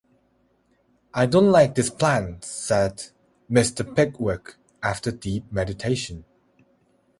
‘I don’t like this plan,’ said Mr. Pickwick, after deep meditation.